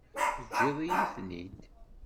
Teǧǧiḍ-iyi-ten-id.